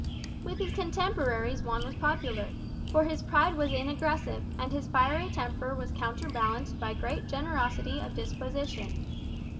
With his contemporaries Juan was popular, for his pride was inaggressive, and his fiery temper was counterbalanced by great generosity of disposition.